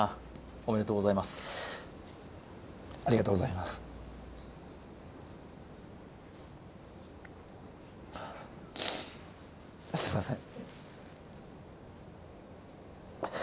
おめでとうございますありがとうございますすいません